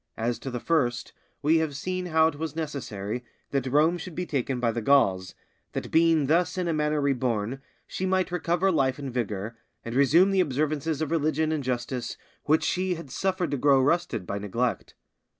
As to the first, we have seen how it was necessary that Rome should be taken by the Gauls, that being thus in a manner reborn, she might recover life and vigour, and resume the observances of religion and justice which she had suffered to grow rusted by neglect.